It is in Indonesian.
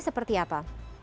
ini seperti apa